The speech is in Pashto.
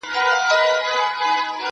زه اجازه لرم چي نان وخورم؟!